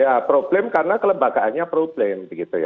ya problem karena kelembagaannya problem